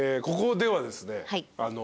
ここではですね